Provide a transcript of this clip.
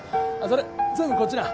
それ全部こっちな。